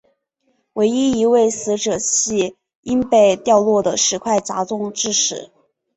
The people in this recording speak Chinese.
唯一一位死者系因被掉落的石块砸中致死。